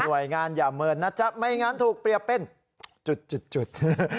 โดยงานอย่าเมินนะจ๊ะไม่งั้นถูกเปรียบเป็นจุด